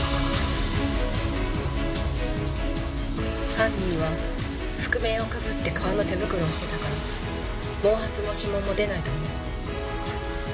犯人は覆面を被って革の手袋をしてたから毛髪も指紋も出ないと思う。